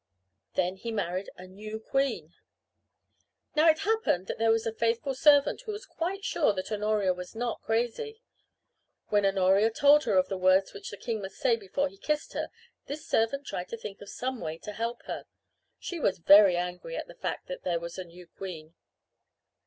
Then he married a new queen. Now it happened that there was a faithful servant who was quite sure that Honoria was not crazy. When Honoria told her of the words which the king must say before he kissed her this servant tried to think of some way to help her. She was very angry at the fact that there was a new queen.